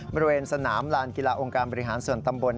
บริเวณสนามลานกีฬาองค์การบริหารส่วนตำบล